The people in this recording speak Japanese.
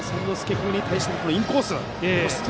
君に対してのインコース。